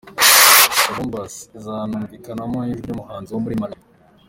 Columbus izanumvikanamo ijwi ry’umuhanzi wo muri Malawi.